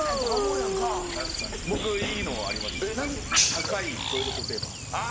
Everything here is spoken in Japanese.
高いトイレットペーパー。